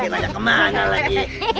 dari nanti kemana lagi